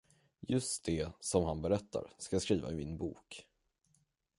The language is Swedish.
Just det, som han berättar, ska jag skriva i min bok.